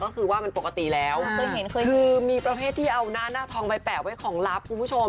คือมีประเทศที่เอานาตาทองไปแปบไว้ของลับคุณผู้ชม